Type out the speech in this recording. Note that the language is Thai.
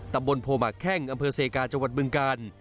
ตำบลโพหมาแค่งอำเภอเซกาจบึงกาล